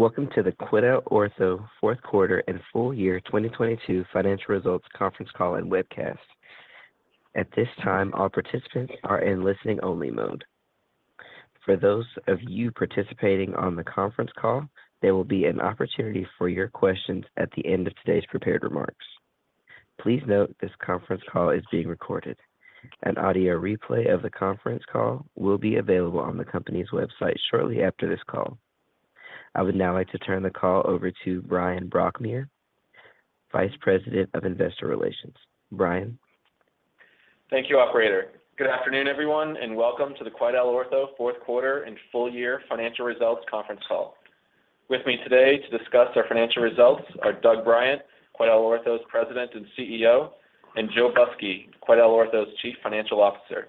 Welcome to the QuidelOrtho fourth quarter and full year 2022 financial results conference call and webcast. At this time, all participants are in listening only mode. For those of you participating on the conference call, there will be an opportunity for your questions at the end of today's prepared remarks. Please note this conference call is being recorded. An audio replay of the conference call will be available on the company's website shortly after this call. I would now like to turn the call over to Bryan Brokmeier, Vice President of Investor Relations. Bryan. Thank you, operator. Good afternoon, everyone, and welcome to the QuidelOrtho fourth quarter and full year financial results conference call. With me today to discuss our financial results are Doug Bryant, QuidelOrtho's President and CEO, and Joe Busky, QuidelOrtho's Chief Financial Officer.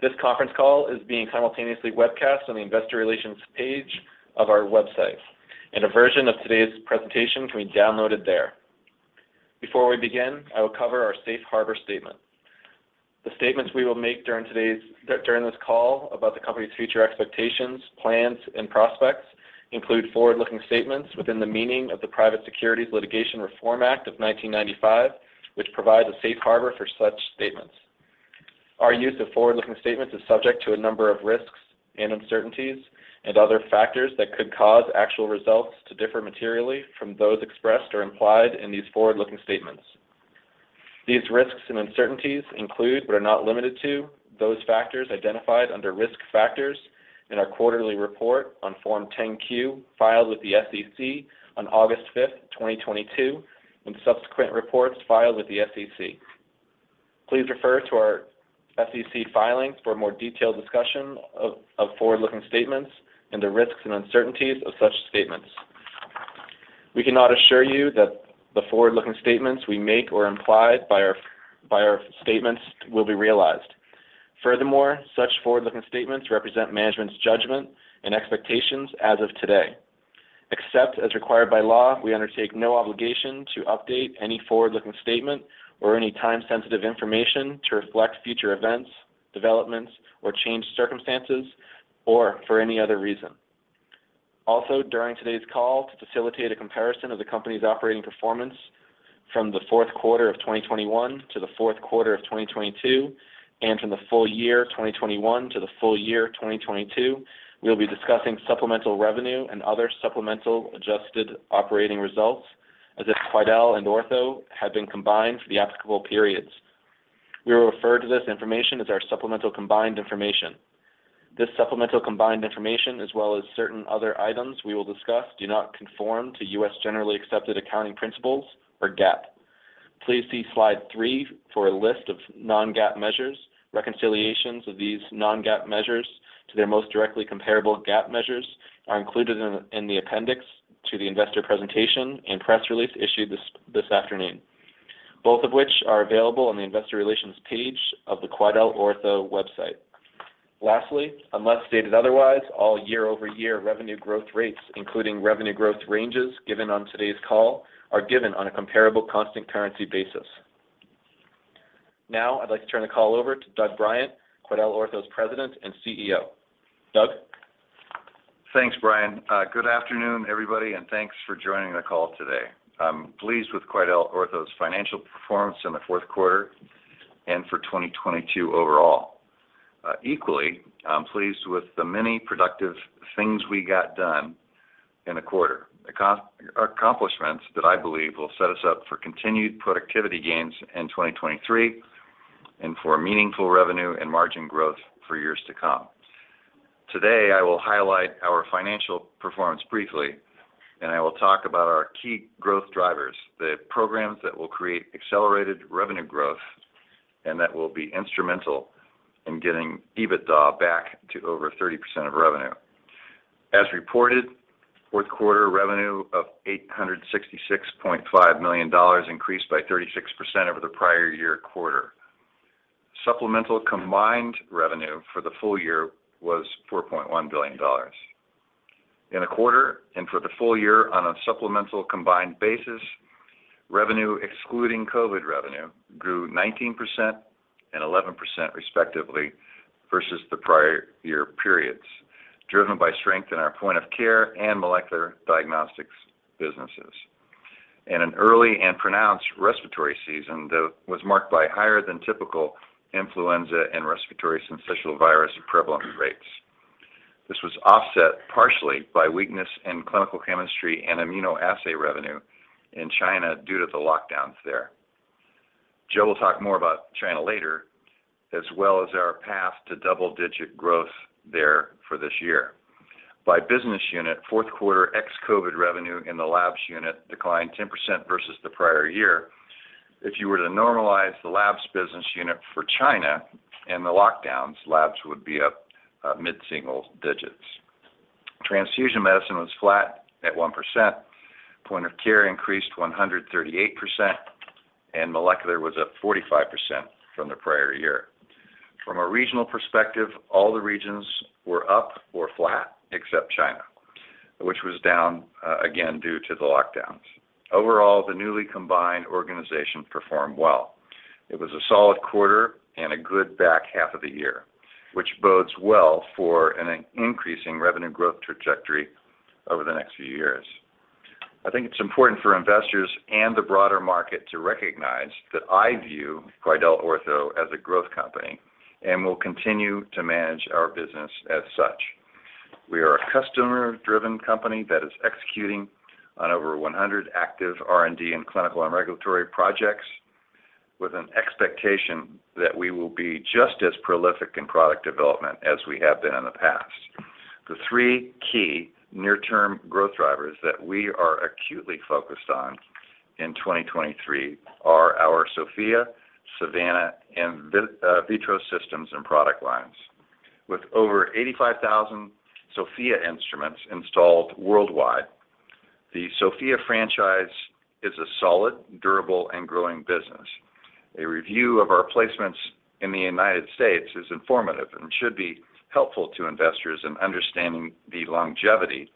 This conference call is being simultaneously webcast on the investor relations page of our website, and a version of today's presentation can be downloaded there. Before we begin, I will cover our safe harbor statement. The statements we will make during this call about the company's future expectations, plans, and prospects include forward-looking statements within the meaning of the Private Securities Litigation Reform Act of 1995, which provides a safe harbor for such statements. Our use of forward-looking statements is subject to a number of risks and uncertainties and other factors that could cause actual results to differ materially from those expressed or implied in these forward-looking statements. These risks and uncertainties include but are not limited to those factors identified under Risk Factors in our quarterly report on Form 10-Q, filed with the SEC on August 5, 2022, and subsequent reports filed with the SEC. Please refer to our SEC filings for a more detailed discussion of forward-looking statements and the risks and uncertainties of such statements. We cannot assure you that the forward-looking statements we make or implied by our statements will be realized. Furthermore, such forward-looking statements represent management's judgment and expectations as of today. Except as required by law, we undertake no obligation to update any forward-looking statement or any time-sensitive information to reflect future events, developments, or changed circumstances, or for any other reason. During today's call, to facilitate a comparison of the company's operating performance from the fourth quarter of 2021 to the fourth quarter of 2022 and from the full year 2021 to the full year 2022, we'll be discussing supplemental revenue and other supplemental adjusted operating results as if Quidel and Ortho had been combined for the applicable periods. We will refer to this information as our supplemental combined information. This supplemental combined information, as well as certain other items we will discuss, do not conform to U.S. generally accepted accounting principles or GAAP. Please see slide three for a list of non-GAAP measures. Reconciliations of these non-GAAP measures to their most directly comparable GAAP measures are included in the appendix to the investor presentation and press release issued this afternoon, both of which are available on the investor relations page of the QuidelOrtho website. Lastly, unless stated otherwise, all year-over-year revenue growth rates, including revenue growth ranges given on today's call, are given on a comparable constant currency basis. Now I'd like to turn the call over to Doug Bryant, QuidelOrtho's President and CEO. Doug. Thanks, Bryan. Good afternoon, everybody, and thanks for joining the call today. I'm pleased with QuidelOrtho's financial performance in the fourth quarter and for 2022 overall. Equally, I'm pleased with the many productive things we got done in the quarter. Accomplishments that I believe will set us up for continued productivity gains in 2023 and for meaningful revenue and margin growth for years to come. Today, I will highlight our financial performance briefly, and I will talk about our key growth drivers, the programs that will create accelerated revenue growth and that will be instrumental in getting EBITDA back to over 30% of revenue. As reported, fourth quarter revenue of $866.5 million increased by 36% over the prior year quarter. Supplemental combined revenue for the full year was $4.1 billion. In a quarter and for the full year on a supplemental combined basis, revenue excluding COVID revenue grew 19% and 11% respectively versus the prior year periods, driven by strength in our point of care and molecular diagnostics businesses. In an early and pronounced respiratory season that was marked by higher than typical influenza and respiratory syncytial virus prevalence rates, this was offset partially by weakness in clinical chemistry and immunoassay revenue in China due to the lockdowns there. Joe will talk more about China later, as well as our path to double-digit growth there for this year. By business unit, fourth quarter ex-COVID revenue in the labs unit declined 10% versus the prior year. If you were to normalize the labs business unit for China and the lockdowns, labs would be up mid-single digits. Transfusion medicine was flat at 1%. Point of care increased 138%, molecular was up 45% from the prior year. From a regional perspective, all the regions were up or flat except China, which was down again due to the lockdowns. Overall, the newly combined organization performed well. It was a solid quarter and a good back half of the year, which bodes well for an increasing revenue growth trajectory over the next few years. I think it's important for investors and the broader market to recognize that I view QuidelOrtho as a growth company, we'll continue to manage our business as such. We are a customer-driven company that is executing on over 100 active R&D and clinical and regulatory projects with an expectation that we will be just as prolific in product development as we have been in the past. The three key near-term growth drivers that we are acutely focused on in 2023 are our Sofia, Savanna, and VITROS systems and product lines. With over 85,000 Sofia instruments installed worldwide, the Sofia franchise is a solid, durable, and growing business. A review of our placements in the United States is informative and should be helpful to investors in understanding the longevity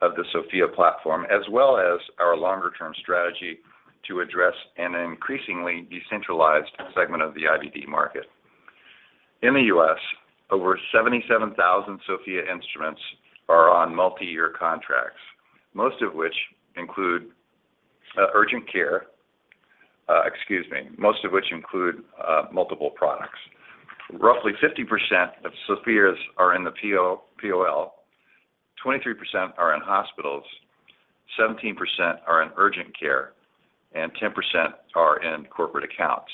of the Sofia platform, as well as our longer-term strategy to address an increasingly decentralized segment of the IVD market. In the U.S., over 77,000 Sofia instruments are on multiyear contracts, most of which include multiple products. Roughly 50% of Sofias are in the POL, 23% are in hospitals, 17% are in urgent care, and 10% are in corporate accounts.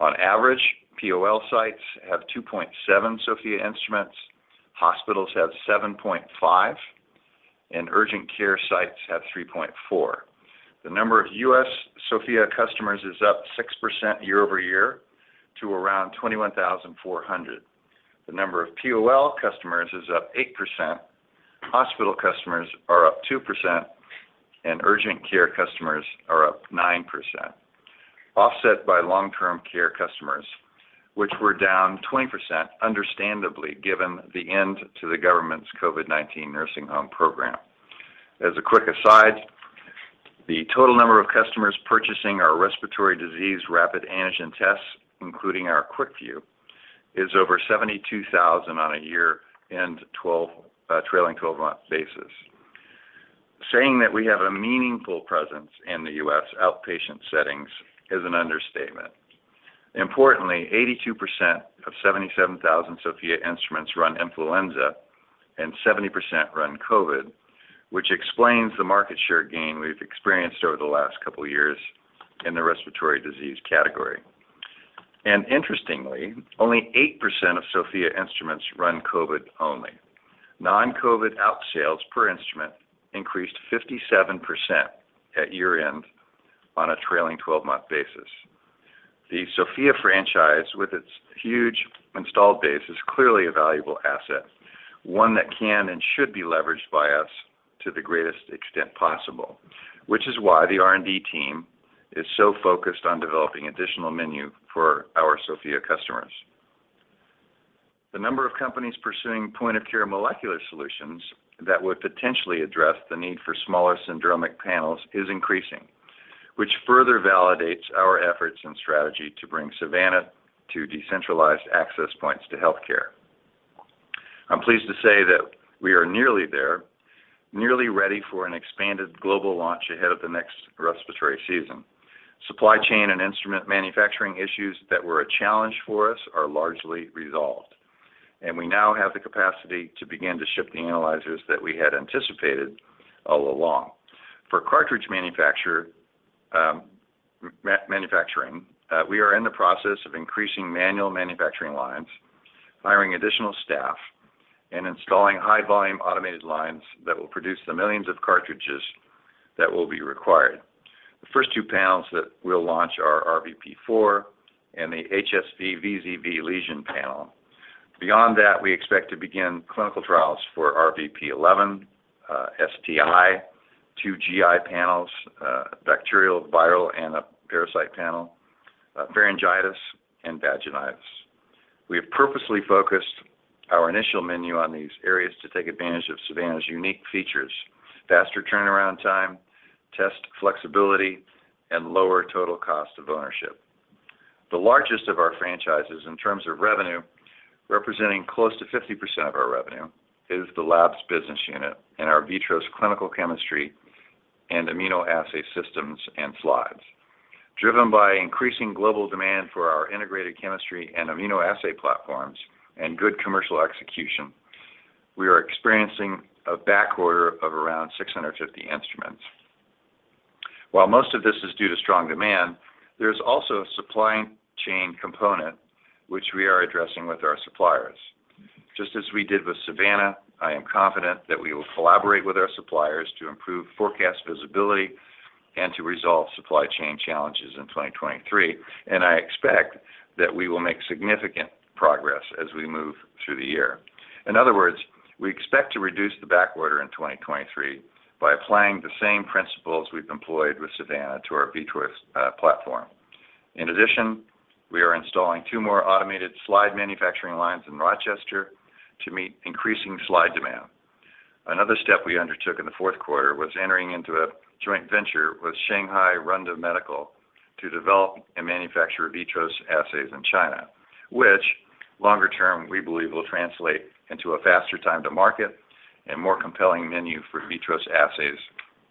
On average, POL sites have 2.7 Sofia instruments, hospitals have 7.5, and urgent care sites have 3.4. The number of U.S. Sofia customers is up 6% year-over-year to around 21,400. The number of POL customers is up 8%, hospital customers are up 2%, and urgent care customers are up 9%, offset by long-term care customers, which were down 20%, understandably, given the end to the government's COVID-19 nursing home program. As a quick aside, the total number of customers purchasing our respiratory disease rapid antigen tests, including our QuickVue, is over 72,000 on a trailing 12-month basis. Saying that we have a meaningful presence in the U.S. outpatient settings is an understatement. 82% of 77,000 Sofia instruments run influenza and 70% run COVID, which explains the market share gain we've experienced over the last couple of years in the respiratory disease category. Interestingly, only 8% of Sofia instruments run COVID only. Non-COVID out sales per instrument increased 57% at year-end on a trailing twelve-month basis. The Sofia franchise, with its huge installed base, is clearly a valuable asset, one that can and should be leveraged by us to the greatest extent possible, which is why the R&D team is so focused on developing additional menu for our Sofia customers. The number of companies pursuing point-of-care molecular solutions that would potentially address the need for smaller syndromic panels is increasing, which further validates our efforts and strategy to bring Savanna to decentralized access points to healthcare. I'm pleased to say that we are nearly there, nearly ready for an expanded global launch ahead of the next respiratory season. Supply chain and instrument manufacturing issues that were a challenge for us are largely resolved, and we now have the capacity to begin to ship the analyzers that we had anticipated all along. For cartridge manufacture, manufacturing, we are in the process of increasing manual manufacturing lines, hiring additional staff, and installing high-volume automated lines that will produce the millions of cartridges that will be required. The first two panels that we'll launch are RVP4 and the HSV/VZV lesion panel. Beyond that, we expect to begin clinical trials for RVP11, STI, 2 GI panels, bacterial, viral, and a parasite panel, pharyngitis, and vaginitis. We have purposely focused our initial menu on these areas to take advantage of Savanna's unique features: faster turnaround time, test flexibility, and lower total cost of ownership. The largest of our franchises in terms of revenue, representing close to 50% of our revenue, is the labs business unit and our VITROS clinical chemistry and immunoassay systems and slides. Driven by increasing global demand for our integrated chemistry and immunoassay platforms and good commercial execution, we are experiencing a backorder of around 650 instruments. While most of this is due to strong demand, there's also a supply chain component which we are addressing with our suppliers. Just as we did with Savanna, I am confident that we will collaborate with our suppliers to improve forecast visibility and to resolve supply chain challenges in 2023. I expect that we will make significant progress as we move through the year. In other words, we expect to reduce the backorder in 2023 by applying the same principles we've employed with Savanna to our VITROS platform. In addition, we are installing two more automated slide manufacturing lines in Rochester to meet increasing slide demand. Another step we undertook in the fourth quarter was entering into a joint venture with Shanghai Runda Medical to develop and manufacture VITROS assays in China, which longer term we believe will translate into a faster time to market and more compelling menu for VITROS assays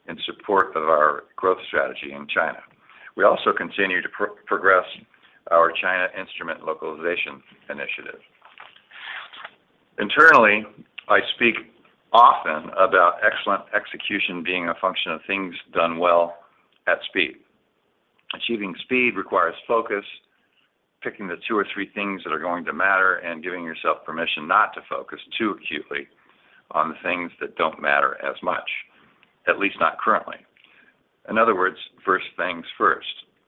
in support of our growth strategy in China. We also continue to progress our China instrument localization initiative. Internally, I speak often about excellent execution being a function of things done well at speed. Achieving speed requires focus, picking the two or three things that are going to matter, and giving yourself permission not to focus too acutely on the things that don't matter as much, at least not currently. In other words, first things first.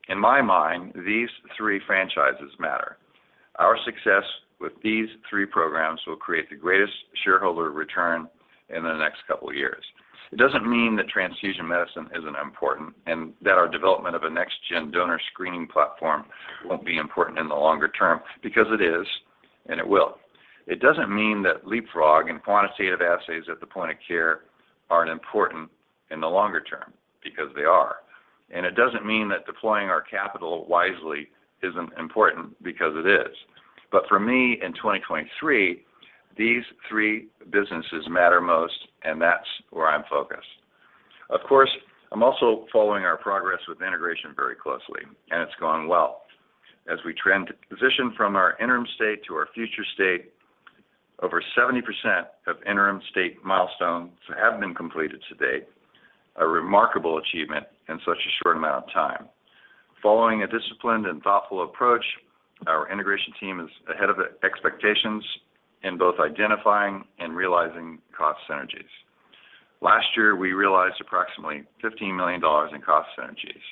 In my mind, these three franchises matter. Our success with these three programs will create the greatest shareholder return in the next couple years. It doesn't mean that transfusion medicine isn't important, and that our development of a next-gen donor screening platform won't be important in the longer term because it is, and it will. It doesn't mean that leapfrog and quantitative assays at the point of care aren't important in the longer term because they are. It doesn't mean that deploying our capital wisely isn't important because it is. For me, in 2023, these three businesses matter most, and that's where I'm focused. Of course, I'm also following our progress with integration very closely, and it's going well. As we transition from our interim state to our future state, over 70% of interim state milestones have been completed to date, a remarkable achievement in such a short amount of time. Following a disciplined and thoughtful approach, our integration team is ahead of expectations in both identifying and realizing cost synergies. Last year, we realized approximately $15 million in cost synergies.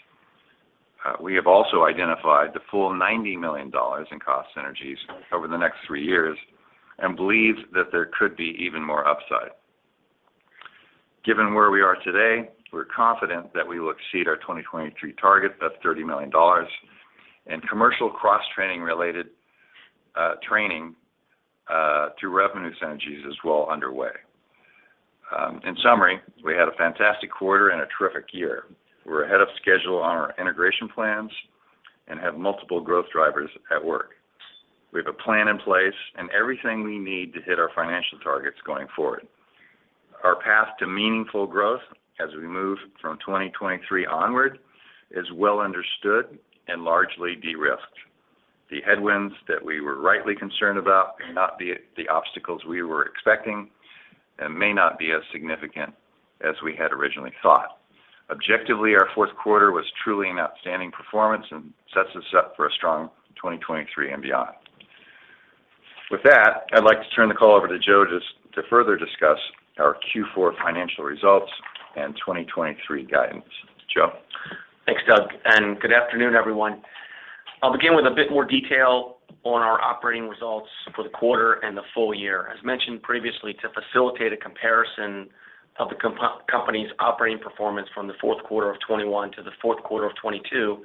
We have also identified the full $90 million in cost synergies over the next three years and believe that there could be even more upside. Given where we are today, we're confident that we will exceed our 2023 target of $30 million and commercial cross-training related, training to revenue synergies is well underway. In summary, we had a fantastic quarter and a terrific year. We're ahead of schedule on our integration plans and have multiple growth drivers at work. We have a plan in place and everything we need to hit our financial targets going forward. Our path to meaningful growth as we move from 2023 onward is well understood and largely de-risked. The headwinds that we were rightly concerned about may not be the obstacles we were expecting and may not be as significant as we had originally thought. Objectively, our fourth quarter was truly an outstanding performance and sets us up for a strong 2023 and beyond. With that, I'd like to turn the call over to Joe just to further discuss our Q4 financial results and 2023 guidance. Joe? Thanks, Doug, and good afternoon, everyone. I'll begin with a bit more detail on our operating results for the quarter and the full year. As mentioned previously, to facilitate a comparison of the comp-company's operating performance from the fourth quarter of 2021 to the fourth quarter of 2022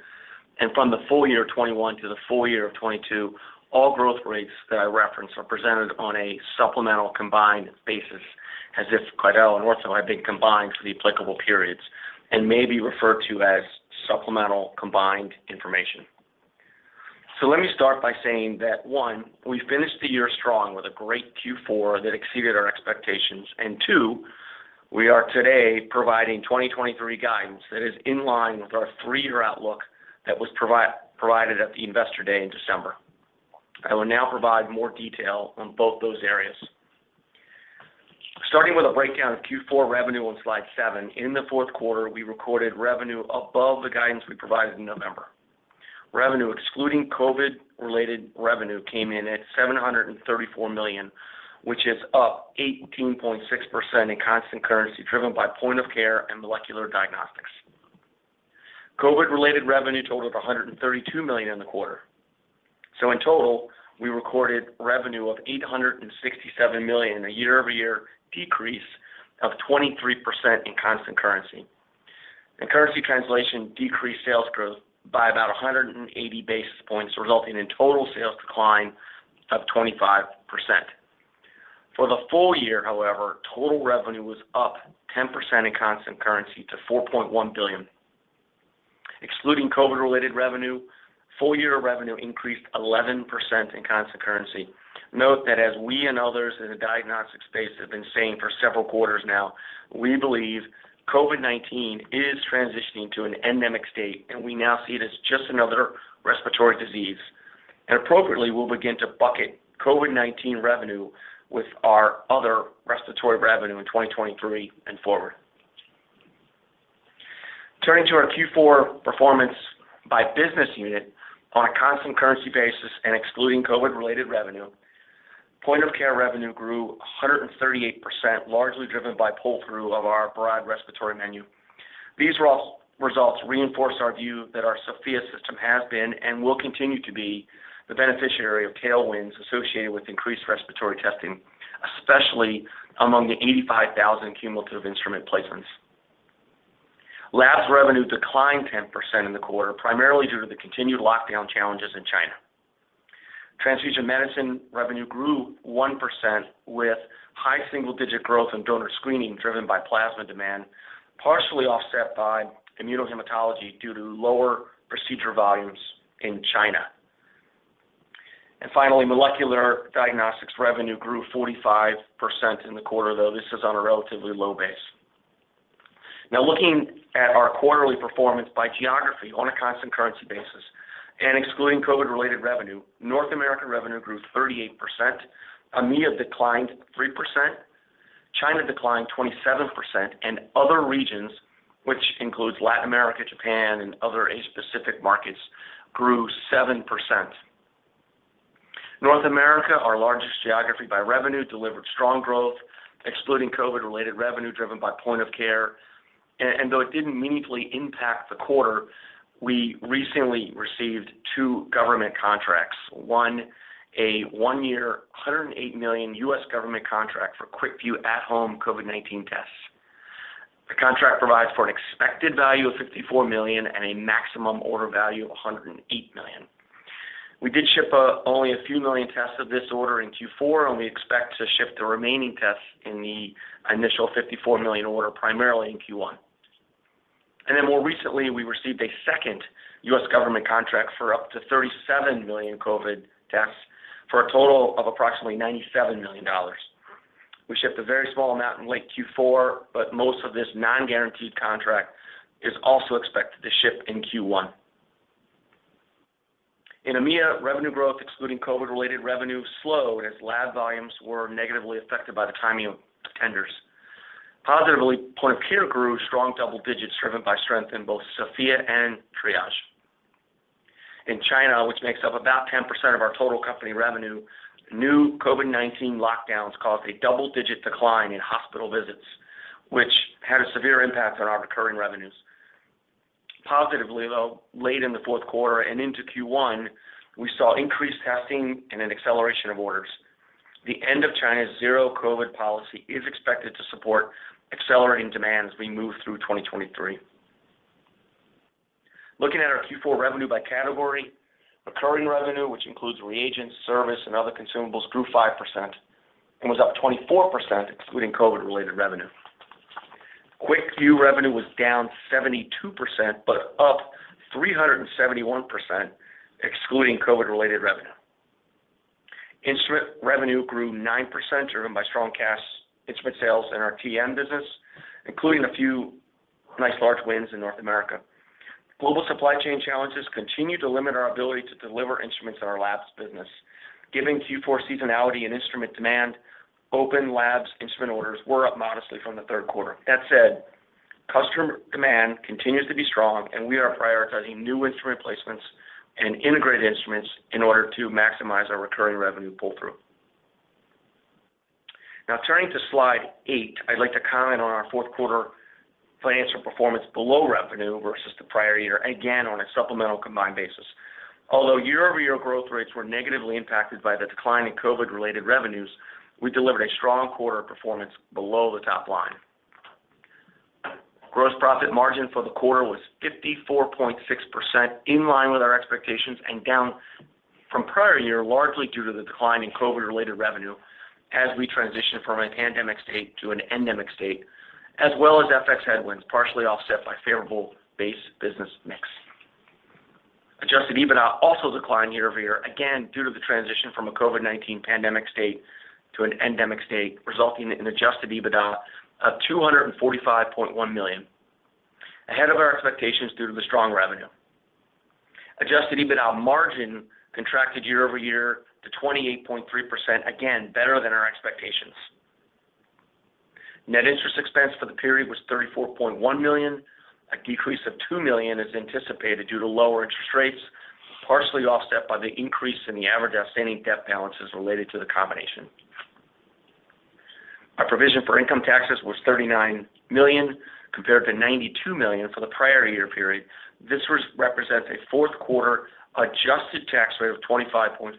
and from the full year of 2021 to the full year of 2022, all growth rates that I reference are presented on a supplemental combined basis as if Quidel and Ortho have been combined for the applicable periods and may be referred to as supplemental combined information. Let me start by saying that, one, we finished the year strong with a great Q4 that exceeded our expectations, and two, we are today providing 2023 guidance that is in line with our three year outlook that was provided at the Investor Day in December. I will now provide more detail on both those areas. Starting with a breakdown of Q4 revenue on Slide 7, in the fourth quarter, we recorded revenue above the guidance we provided in November. Revenue excluding COVID-related revenue came in at $734 million, which is up 18.6% in constant currency driven by point of care and molecular diagnostics. COVID-related revenue totaled $132 million in the quarter. In total, we recorded revenue of $867 million, a year-over-year decrease of 23% in constant currency. Currency translation decreased sales growth by about 180 basis points, resulting in total sales decline of 25%. For the full year, however, total revenue was up 10% in constant currency to $4.1 billion. Excluding COVID-related revenue, full year revenue increased 11% in constant currency. Note that as we and others in the diagnostic space have been saying for several quarters now, we believe COVID-19 is transitioning to an endemic state, we now see it as just another respiratory disease. Appropriately, we'll begin to bucket COVID-19 revenue with our other respiratory revenue in 2023 and forward. Turning to our Q4 performance by business unit on a constant currency basis and excluding COVID-related revenue, point-of-care revenue grew 138%, largely driven by pull-through of our broad respiratory menu. These results reinforce our view that our Sofia system has been and will continue to be the beneficiary of tailwinds associated with increased respiratory testing, especially among the 85,000 cumulative instrument placements. Labs revenue declined 10% in the quarter, primarily due to the continued lockdown challenges in China. Transfusion medicine revenue grew 1% with high single-digit growth in donor screening driven by plasma demand, partially offset by immunohematology due to lower procedure volumes in China. Finally, molecular diagnostics revenue grew 45% in the quarter, though this is on a relatively low base. Now, looking at our quarterly performance by geography on a constant currency basis and excluding COVID-related revenue, North American revenue grew 38%, EMEA declined 3%, China declined 27%, and other regions, which includes Latin America, Japan and other Asia Pacific markets, grew 7%. North America, our largest geography by revenue, delivered strong growth, excluding COVID-related revenue driven by point of care. Though it didn't meaningfully impact the quarter, we recently received two government contracts. One, a one year, $108 million U.S. government contract for QuickVue at-home COVID-19 tests. The contract provides for an expected value of $54 million and a maximum order value of $108 million. We did ship only a few million tests of this order in Q4, and we expect to ship the remaining tests in the initial $54 million order primarily in Q1. More recently, we received a second U.S. government contract for up to $37 million COVID tests for a total of approximately $97 million. We shipped a very small amount in late Q4, most of this non-guaranteed contract is also expected to ship in Q1. In EMEA, revenue growth excluding COVID-related revenue slowed as lab volumes were negatively affected by the timing of tenders. Positively, point of care grew strong double digits driven by strength in both Sofia and Triage. In China, which makes up about 10% of our total company revenue, new COVID-19 lockdowns caused a double-digit decline in hospital visits, which had a severe impact on our recurring revenues. Positively, though, late in the fourth quarter and into Q1, we saw increased testing and an acceleration of orders. The end of China's zero COVID policy is expected to support accelerating demand as we move through 2023. Looking at our Q4 revenue by category, recurring revenue, which includes reagents, service and other consumables, grew 5% and was up 24% excluding COVID-related revenue. QuickVue revenue was down 72%, but up 371% excluding COVID-related revenue. Instrument revenue grew 9% driven by strong Cass instrument sales in our TM business, including a few nice large wins in North America. Global supply chain challenges continue to limit our ability to deliver instruments in our labs business. Given Q4 seasonality and instrument demand, open labs instrument orders were up modestly from the third quarter. That said, customer demand continues to be strong and we are prioritizing new instrument placements and integrated instruments in order to maximize our recurring revenue pull-through. Now, turning to slide 8, I'd like to comment on our fourth quarter financial performance below revenue versus the prior year, again, on a supplemental combined basis. Although year-over-year growth rates were negatively impacted by the decline in COVID-related revenues, we delivered a strong quarter of performance below the top line. Gross profit margin for the quarter was 54.6%, in line with our expectations and down from prior year, largely due to the decline in COVID-related revenue as we transition from a pandemic state to an endemic state, as well as FX headwinds, partially offset by favorable base business mix. Adjusted EBITDA also declined year-over-year, again, due to the transition from a COVID-19 pandemic state to an endemic state, resulting in Adjusted EBITDA of $245.1 million, ahead of our expectations due to the strong revenue. Adjusted EBITDA margin contracted year-over-year to 28.3%, again, better than our expectations. Net interest expense for the period was $34.1 million. A decrease of $2 million is anticipated due to lower interest rates, partially offset by the increase in the average outstanding debt balances related to the combination. Our provision for income taxes was $39 million, compared to $92 million for the prior year period. This represents a fourth quarter adjusted tax rate of 25.4%,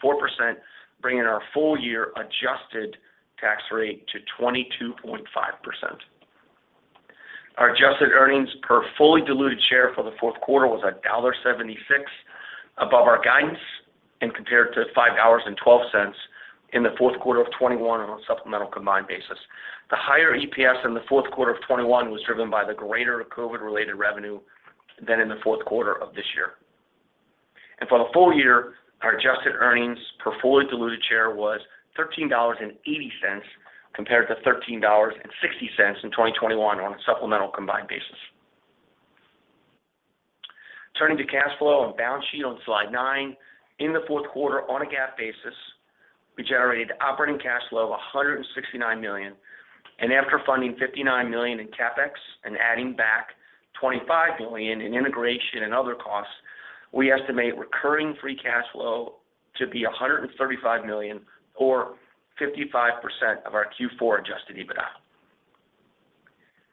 bringing our full year adjusted tax rate to 22.5%. Our adjusted earnings per fully diluted share for the fourth quarter was $1.76, above our guidance and compared to $5.12 in the fourth quarter of 2021 on a supplemental combined basis. The higher EPS in the fourth quarter of 2021 was driven by the greater COVID-related revenue than in the fourth quarter of this year. For the full year, our adjusted earnings per fully diluted share was $13.80 compared to $13.60 in 2021 on a supplemental combined basis. Turning to cash flow and balance sheet on slide 9. In the fourth quarter, on a GAAP basis, we generated operating cash flow of $169 million, and after funding $59 million in CapEx and adding back $25 million in integration and other costs, we estimate recurring free cash flow to be $135 million or 55% of our Q4 Adjusted EBITDA.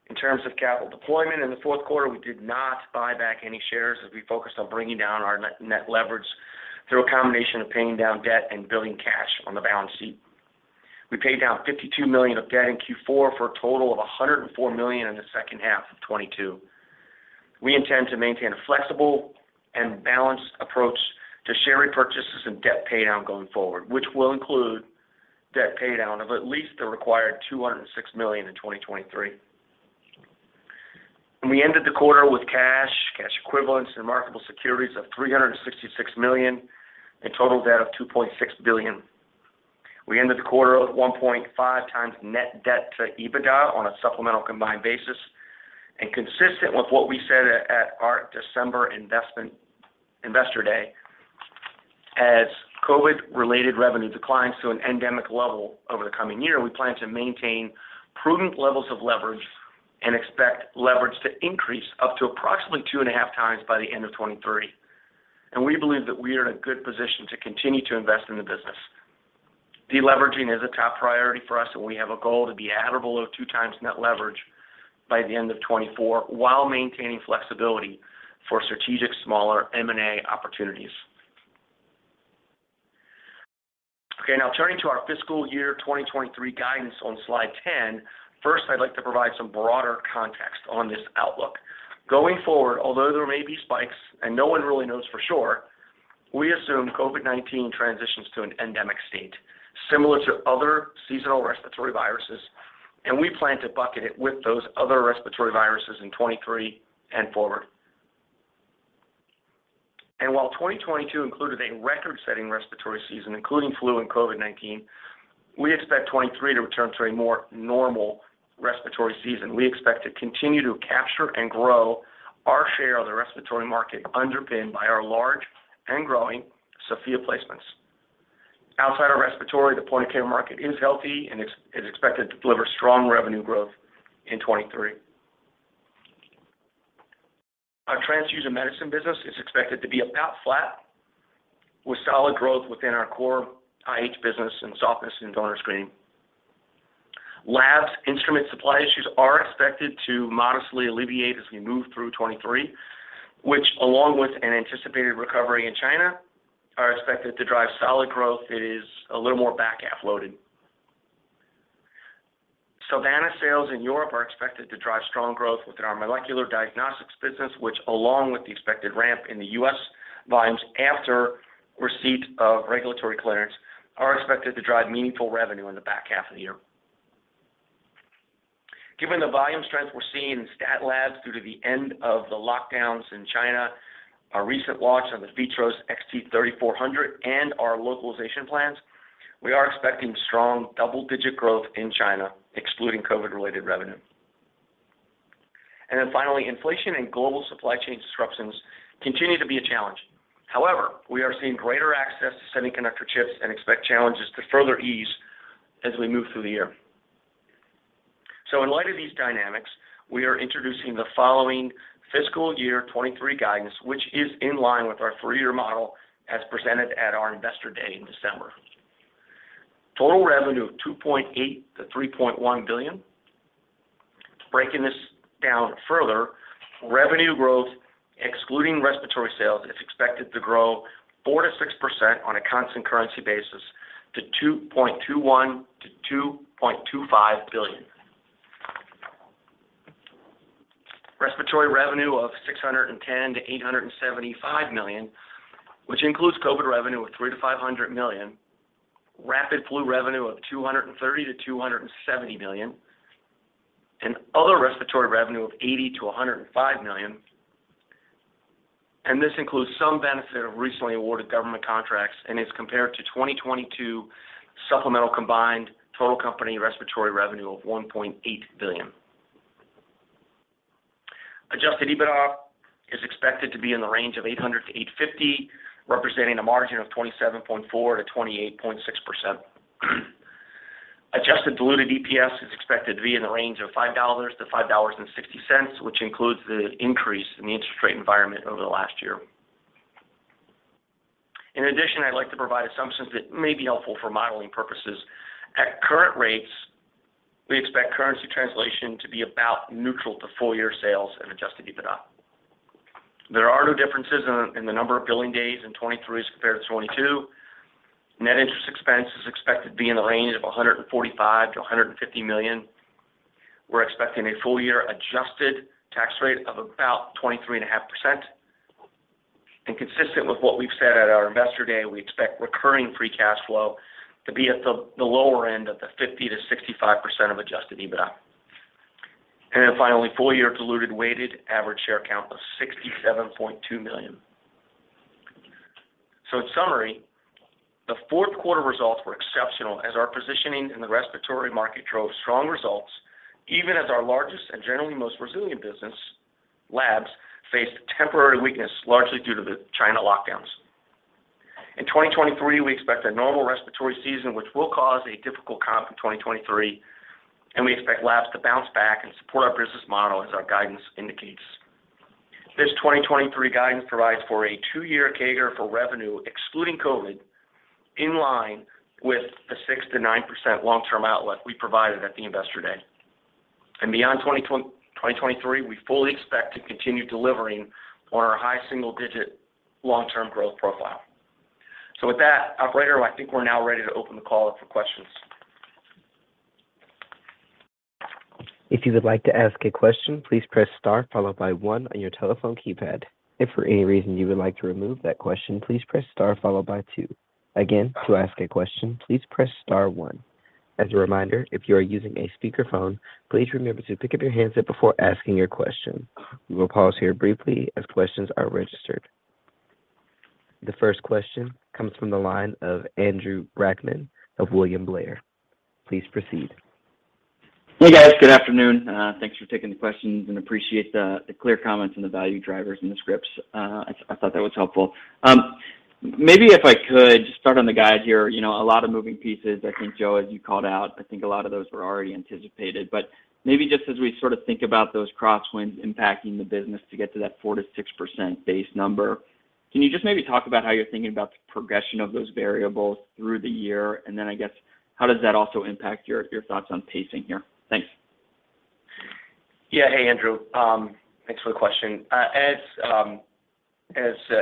In terms of capital deployment in the fourth quarter, we did not buy back any shares as we focused on bringing down our net leverage through a combination of paying down debt and building cash on the balance sheet. We paid down $52 million of debt in Q4 for a total of $104 million in the second half of 2022. We intend to maintain a flexible and balanced approach to share repurchases and debt pay down going forward, which will include debt pay down of at least the required $206 million in 2023. We ended the quarter with cash equivalents, and marketable securities of $366 million and total debt of $2.6 billion. We ended the quarter at 1.5x net debt to EBITDA on a supplemental combined basis. Consistent with what we said at our December Investor Day, as COVID-related revenue declines to an endemic level over the coming year, we plan to maintain prudent levels of leverage and expect leverage to increase up to approximately 2.5x by the end of 2023. We believe that we are in a good position to continue to invest in the business. Deleveraging is a top priority for us. We have a goal to be at or below 2x net leverage by the end of 2024, while maintaining flexibility for strategic smaller M&A opportunities. Now turning to our fiscal year 2023 guidance on Slide 10, I'd like to provide some broader context on this outlook. Going forward, although there may be spikes, no one really knows for sure, we assume COVID-19 transitions to an endemic state similar to other seasonal respiratory viruses. We plan to bucket it with those other respiratory viruses in 2023 and forward. While 2022 included a record-setting respiratory season, including flu and COVID-19, we expect 2023 to return to a more normal respiratory season. We expect to continue to capture and grow our share of the respiratory market underpinned by our large and growing Sofia placements. Outside of respiratory, the point-of-care market is healthy and is expected to deliver strong revenue growth in 2023. Our Transfusion Medicine business is expected to be about flat with solid growth within our core IH business in softness and donor screening. Labs instrument supply issues are expected to modestly alleviate as we move through 2023, which along with an anticipated recovery in China, are expected to drive solid growth that is a little more back half-loaded. Savanna sales in Europe are expected to drive strong growth within our molecular diagnostics business, which along with the expected ramp in the U.S. volumes after receipt of regulatory clearance, are expected to drive meaningful revenue in the back half of the year. Given the volume strength we're seeing in stat labs due to the end of the lockdowns in China, our recent launch of the VITROS XT 3400 and our localization plans, we are expecting strong double-digit growth in China, excluding COVID-related revenue. Finally, inflation and global supply chain disruptions continue to be a challenge. However, we are seeing greater access to semiconductor chips and expect challenges to further ease as we move through the year. In light of these dynamics, we are introducing the following fiscal year 2023 guidance, which is in line with our three-year model as presented at our Investor Day in December. Total revenue of $2.8 billion-$3.1 billion. Breaking this down further, revenue growth, excluding respiratory sales, is expected to grow 4%-6% on a constant currency basis to $2.21 billion-$2.25 billion. Respiratory revenue of $610 million-$875 million, which includes COVID revenue of $300 million-$500 million, rapid flu revenue of $230 million-$270 million, other respiratory revenue of $80 million-$105 million. This includes some benefit of recently awarded government contracts and is compared to 2022 supplemental combined total company respiratory revenue of $1.8 billion. Adjusted EBITDA is expected to be in the range of $800 million-$850 million, representing a margin of 27.4%-28.6%. Adjusted diluted EPS is expected to be in the range of $5.00-$5.60, which includes the increase in the interest rate environment over the last year. In addition, I'd like to provide assumptions that may be helpful for modeling purposes. At current rates, we expect currency translation to be about neutral to full-year sales and Adjusted EBITDA. There are no differences in the number of billing days in 23 as compared to 22. Net interest expense is expected to be in the range of $145 million-$150 million. We're expecting a full-year adjusted tax rate of about 23.5%. Consistent with what we've said at our Investor Day, we expect recurring free cash flow to be at the lower end of the 50%-65% of Adjusted EBITDA. Finally, full year diluted weighted average share count of 67.2 million. In summary, the fourth quarter results were exceptional as our positioning in the respiratory market drove strong results even as our largest and generally most resilient business, labs, faced temporary weakness largely due to the China lockdowns. In 2023, we expect a normal respiratory season, which will cause a difficult comp in 2023, and we expect labs to bounce back and support our business model as our guidance indicates. This 2023 guidance provides for a 2-year CAGR for revenue excluding COVID, in line with the 6%-9% long-term outlook we provided at the Investor Day. Beyond 2023, we fully expect to continue delivering on our high single-digit long-term growth profile. With that, operator, I think we're now ready to open the call up for questions. If you would like to ask a question, please press star followed by one on your telephone keypad. If for any reason you would like to remove that question, please press star followed by two. Again, to ask a question, please press star one. As a reminder, if you are using a speakerphone, please remember to pick up your handset before asking your question. We will pause here briefly as questions are registered. The first question comes from the line of Andrew Brackmann of William Blair. Please proceed. Hey, guys. Good afternoon. Thanks for taking the questions, and appreciate the clear comments and the value drivers in the scripts. I thought that was helpful. Maybe if I could just start on the guide here, you know, a lot of moving pieces, I think, Joe, as you called out. I think a lot of those were already anticipated. Maybe just as we sort of think about those crosswinds impacting the business to get to that 4%-6% base number, can you just maybe talk about how you're thinking about the progression of those variables through the year? Then, I guess, how does that also impact your thoughts on pacing here? Thanks. Yeah. Hey, Andrew. Thanks for the question. As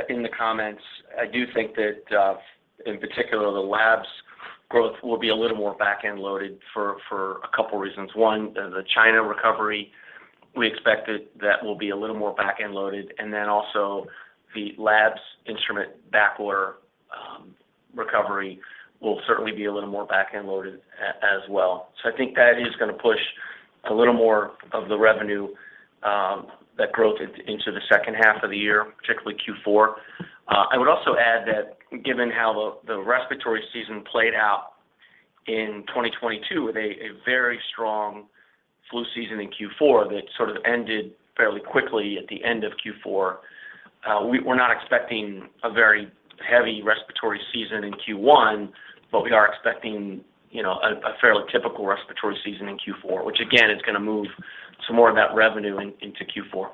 in the comments, I do think that, in particular, the labs growth will be a little more back-end loaded for a couple reasons. One, the China recovery, we expected that will be a little more back-end loaded. Also the labs instrument backlog recovery will certainly be a little more back-end loaded as well. I think that is gonna push a little more of the revenue, that growth into the second half of the year, particularly Q4. I would also add that given how the respiratory season played out in 2022 with a very strong flu season in Q4 that sort of ended fairly quickly at the end of Q4, we're not expecting a very heavy respiratory season in Q1, but we are expecting, you know, a fairly typical respiratory season in Q4, which again is gonna move some more of that revenue into Q4.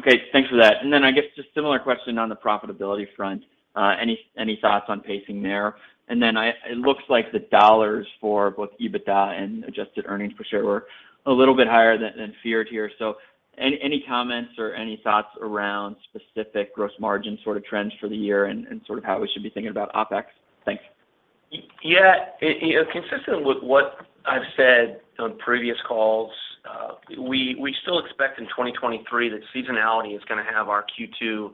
Okay, thanks for that. I guess just similar question on the profitability front, any thoughts on pacing there? It looks like the dollars for both EBITDA and adjusted earnings per share were a little bit higher than feared here. Any comments or any thoughts around specific gross margin sort of trends for the year and sort of how we should be thinking about OpEx? Thanks. Yeah. You know, consistent with what I've said on previous calls, we still expect in 2023 that seasonality is gonna have our Q2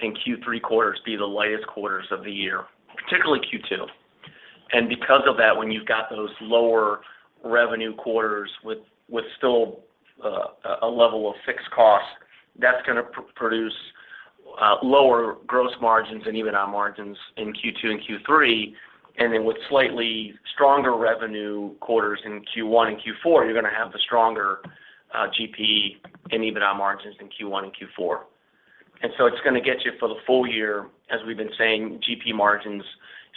and Q3 quarters be the lightest quarters of the year, particularly Q2. Because of that, when you've got those lower revenue quarters with a level of fixed costs, that's gonna produce lower gross margins and EBITDA margins in Q2 and Q3. Then with slightly stronger revenue quarters in Q1 and Q4, you're gonna have the stronger GP and EBITDA margins in Q1 and Q4. So it's gonna get you for the full year, as we've been saying, GP margins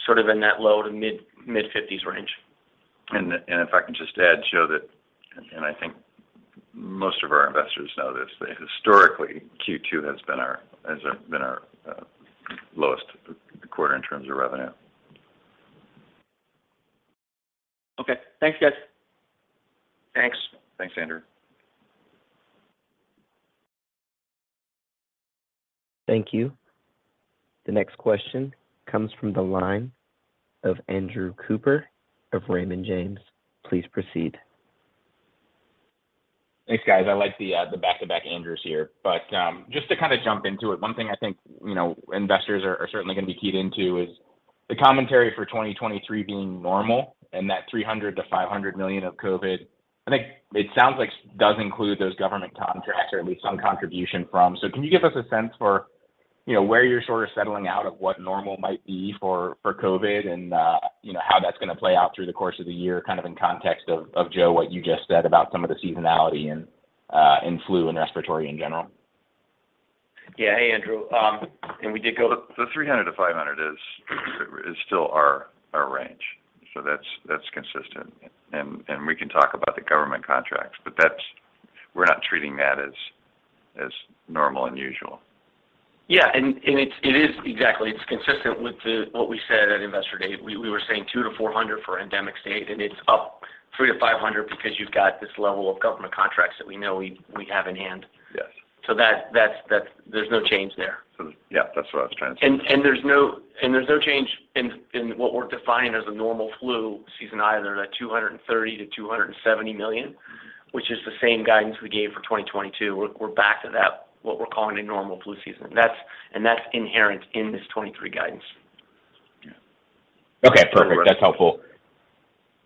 sort of in that low to mid-50s range. If I can just add, Joe, that, I think most of our investors know this, that historically, Q2 has been our lowest quarter in terms of revenue. Okay, thanks, guys. Thanks. Thanks, Andrew. Thank you. The next question comes from the line of Andrew Cooper of Raymond James. Please proceed. Thanks, guys. I like the back-to-back Andrews here. Just to kind of jump into it, one thing I think, you know, investors are certainly gonna be keyed into is the commentary for 2023 being normal and that $300 million-$500 million of COVID, I think it sounds like does include those government contracts or at least some contribution from. Can you give us a sense for, you know, where you're sort of settling out of what normal might be for COVID and, you know, how that's gonna play out through the course of the year, kind of in context of Joe, what you just said about some of the seasonality and flu and respiratory in general? Yeah. Hey, Andrew. we did. The $300 million-$500 million is still our range. That's consistent. We can talk about the government contracts, but that's we're not treating that as normal and usual. Yeah. It is exactly. It's consistent with what we said at Investor Day. We were saying $200 million-$400 million for endemic state, and it's up $300 million-$500 million because you've got this level of government contracts that we know we have in hand. Yes. That's there's no change there. Yeah, that's what I was trying to say. There's no change in what we're defining as a normal flu season either, that $230 million-$270 million, which is the same guidance we gave for 2022. We're back to that, what we're calling a normal flu season. That's inherent in this 2023 guidance. Yeah. Okay, perfect. That's helpful.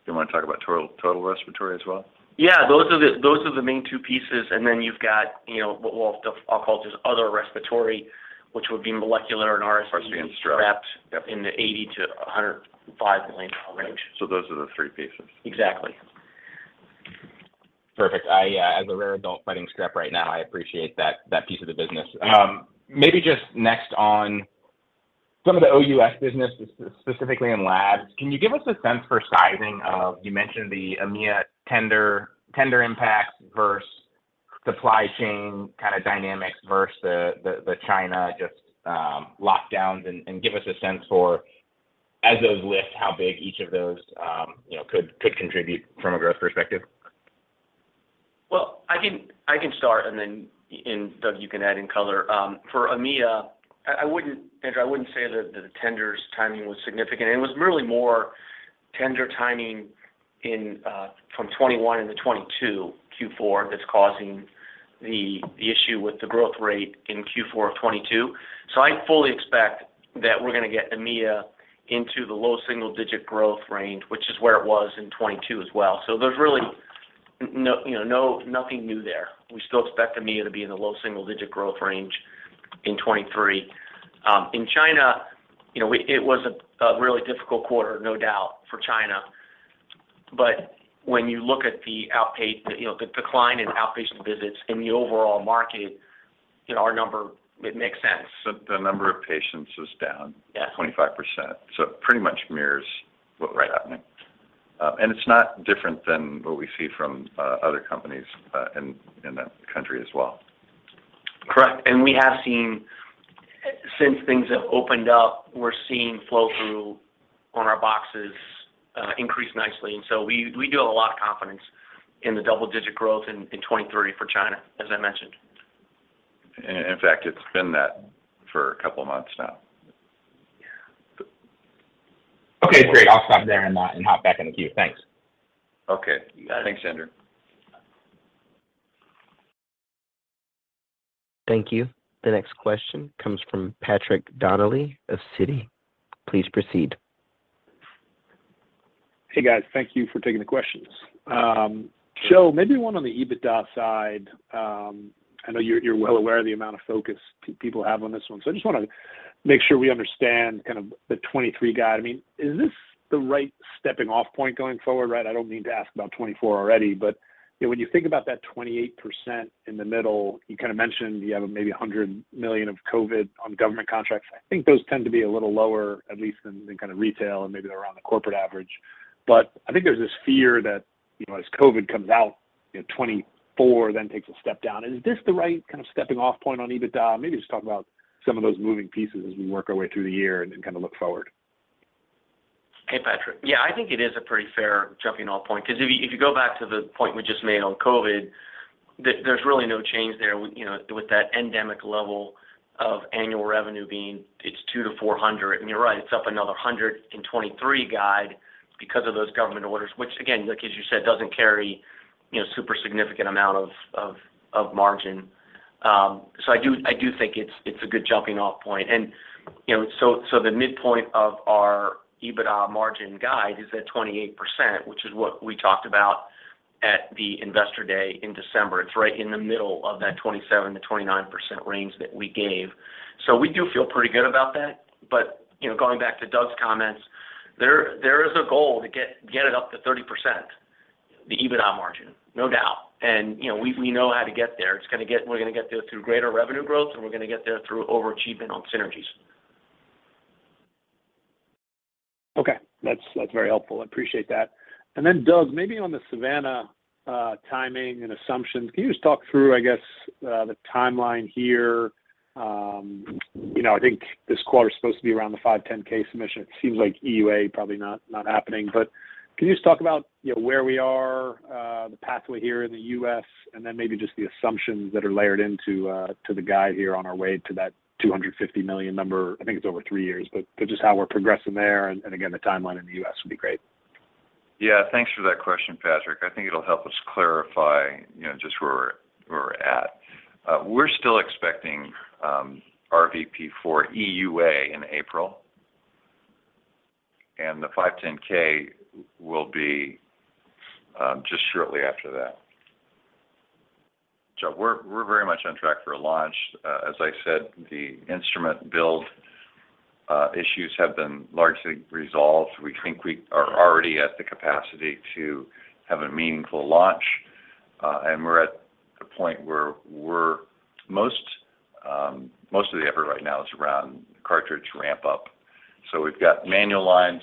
You wanna talk about total respiratory as well? Yeah. Those are the main two pieces. Then you've got, you know, what I'll call just other respiratory, which would be molecular and RSV. RSV and strep. Streps in the $80 million-$105 million range. Those are the three pieces. Exactly. Perfect. I, as a rare adult fighting strep right now, I appreciate that piece of the business. Maybe just next on some of the OUS business, specifically in labs. Can you give us a sense for sizing of, you mentioned the EMEA tender impact versus Supply chain kind of dynamics versus the China just lockdowns and give us a sense for as those lift, how big each of those, you know, could contribute from a growth perspective. I can start and Doug, you can add in color. For EMEA, Andrew, I wouldn't say that the tender's timing was significant. It was really more tender timing in from 2021 into 2022 Q4 that's causing the issue with the growth rate in Q4 of 2022. I fully expect that we're gonna get EMEA into the low single-digit growth range, which is where it was in 2022 as well. There's really, you know, nothing new there. We still expect EMEA to be in the low single-digit growth range in 2023. In China, you know, it was a really difficult quarter, no doubt, for China. When you look at the, you know, the decline in outpatient visits in the overall market, you know, our number, it makes sense. The number of patients is down. Yeah. 25%, so it pretty much mirrors what was happening. Right. It's not different than what we see from, other companies, in that country as well. Correct. We have seen, since things have opened up, we're seeing flow-through on our boxes, increase nicely. We do have a lot of confidence in the double-digit growth in 23 for China, as I mentioned. In fact, it's been that for a couple months now. Yeah. Okay, great. I'll stop there and hop back in the queue. Thanks. Okay. You got it. Thanks, Andrew. Thank you. The next question comes from Patrick Donnelly of Citi. Please proceed. Hey, guys. Thank you for taking the questions. Maybe one on the EBITDA side. I know you're well aware of the amount of focus people have on this one, so I just wanna make sure we understand kind of the 2023 guide. I mean, is this the right stepping off point going forward, right? I don't mean to ask about 2024 already, but, you know, when you think about that 28% in the middle, you kind of mentioned you have maybe $100 million of COVID on government contracts. I think those tend to be a little lower, at least than kind of retail and maybe they're around the corporate average. I think there's this fear that, you know, as COVID comes out, you know, 2024 then takes a step down. Is this the right kind of stepping off point on EBITDA? Maybe just talk about some of those moving pieces as we work our way through the year and then kind of look forward. Hey, Patrick. Yeah, I think it is a pretty fair jumping off point, 'cause if you, if you go back to the point we just made on COVID, there's really no change there you know, with that endemic level of annual revenue being it's $200 million-$400 million. You're right, it's up another $100 in 2023 guide because of those government orders, which again, like as you said, doesn't carry, you know, super significant amount of margin. I do think it's a good jumping off point. You know, the midpoint of our EBITDA margin guide is at 28%, which is what we talked about at the Investor Day in December. It's right in the middle of that 27%-29% range that we gave. We do feel pretty good about that, but, you know, going back to Doug's comments, there is a goal to get it up to 30%, the EBITDA margin, no doubt. You know, we know how to get there. We're gonna get there through greater revenue growth, and we're gonna get there through over-achievement on synergies. Okay. That's very helpful. I appreciate that. Doug, maybe on the Savanna, timing and assumptions, can you just talk through, I guess, the timeline here? You know, I think this quarter is supposed to be around the 510(k) submission. It seems like EUA probably not happening. Can you just talk about, you know, where we are, the pathway here in the U.S., and then maybe just the assumptions that are layered into, to the guide here on our way to that $250 million number, I think it's over three years. Just how we're progressing there and again, the timeline in the U.S. would be great. Yeah. Thanks for that question, Patrick. I think it'll help us clarify, you know, just where we're at. We're still expecting RVP for EUA in April. The 510(k) will be just shortly after that. We're very much on track for a launch. As I said, the instrument build issues have been largely resolved. We think we are already at the capacity to have a meaningful launch, and we're at the point where most of the effort right now is around cartridge ramp-up. We've got manual lines